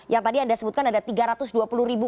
yang tadi anda sebutkan ada tiga ratus dua puluh ribu